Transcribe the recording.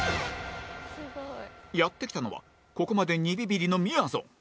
やって来たのはここまで２ビビリのみやぞん